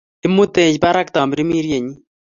Imutech barak tamirmiriennyi.